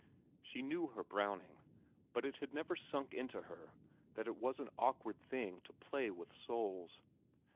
She knew her Browning, but it had never sunk into her that it was an awkward thing to play with souls.